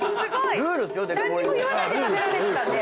何にも言わないで食べられてたんで。